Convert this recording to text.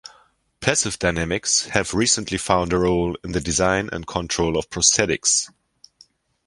Passive dynamics have recently found a role in the design and control of prosthetics.